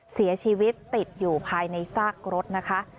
เสียชีวิตติดอยู่ภายในซากรถนะคะ